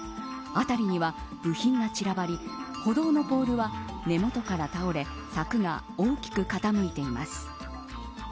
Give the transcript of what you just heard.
辺りには部品が散らばり歩道のポールは根元から倒れ柵が大きく傾いています。